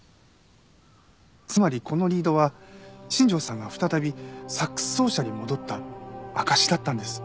つまりこのリードは新庄さんが再びサックス奏者に戻った証しだったんです。